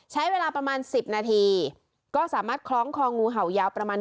ใช้เวลาประมาณ๑๐นาทีก็สามารถคล้องคองูเห่ายาวประมาณ